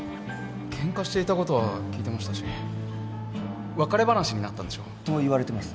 ケンカしていたことは聞いてたし別れ話になったんでしょ？と言われてます